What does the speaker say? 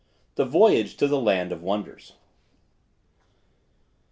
THE VOYAGE TO THE LAND OF WONDERS.